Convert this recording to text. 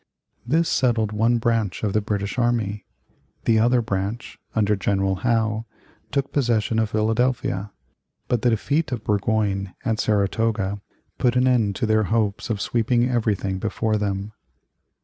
This settled one branch of the British army. The other branch, under General Howe, took possession of Philadelphia, but the defeat of Burgoyne at Saratoga put an end to their hopes of sweeping everything before them.